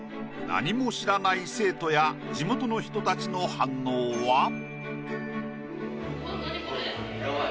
何も知らない生徒や地元の人たちの反応は？